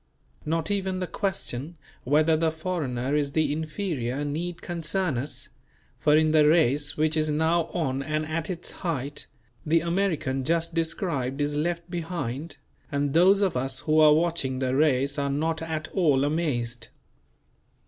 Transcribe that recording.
Not even the question whether the foreigner is the inferior need concern us; for in the race which is now on and at its height, the American just described is left behind; and those of us who are watching the race are not at all amazed.